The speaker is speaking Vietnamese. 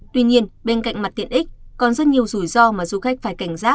tuy nhiên bên cạnh mặt tiện ích còn rất nhiều rủi ro mà du khách phải cảnh giác